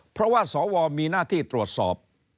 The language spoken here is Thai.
เพราะว่าสวมีหน้าที่ตรวจสอบ